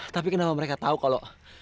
tapi kenapa mereka tahu kalau